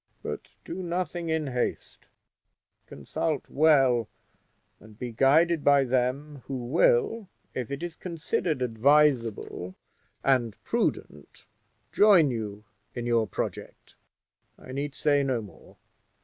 But do nothing in haste consult well, and be guided by them, who will, if it is considered advisable and prudent, join with you in your project. I need say no more.